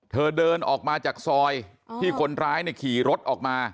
เดินออกมาจากซอยที่คนร้ายขี่รถออกมา